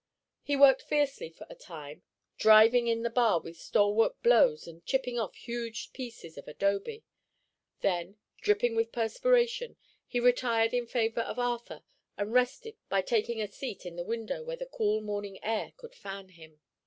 He worked fiercely for a time, driving in the bar with stalwart blows and chipping off huge pieces of adobe. Then, dripping with perspiration, he retired in favor of Arthur and rested by taking a seat in the window, where the cool morning air could fan him.